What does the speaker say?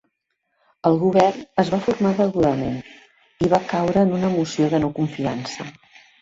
El govern es va formar degudament i va caure en una moció de no confiança.